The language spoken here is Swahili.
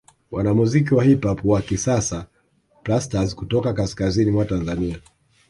Wanamuziki wa Hip Hop wa kisasa Plastaz kutoka kaskazini mwa Tanzania